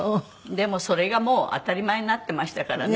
でもそれがもう当たり前になってましたからね。